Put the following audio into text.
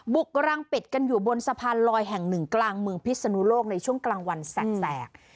กำลังปิดกันอยู่บนสะพานลอยแห่งหนึ่งกลางเมืองพิศนุโลกในช่วงกลางวันแสก